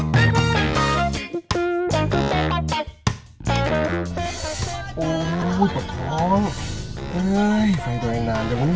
ไฟตัวใหญ่นานจังหวานหมด